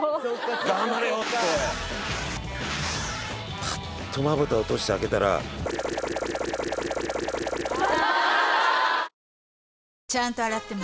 「頑張れよ！」ってパッとまぶたを閉じて開けたら○○ああ